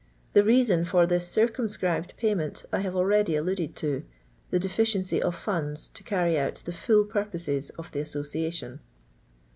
The reason for this circumscribed payment I have already alluded to — the deficiency of funds to carry out the full purposes of the Association.